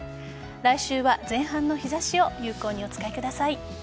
来週は前半の日差しを有効にお使いください。